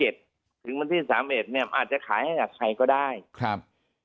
๒๗ถึงวันที่๓๑ไม่อาจจะขายให้กับใครก็ได้ครับ